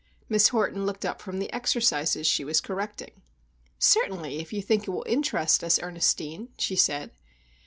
Miss Horton looked up from the exercises she was correcting. "Certainly, if you think it will interest us, Ernestine," she said.